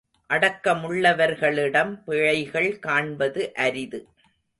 அடக்கமுள்ளவர்களிடம் பிழைகள் காண்பது அரிது.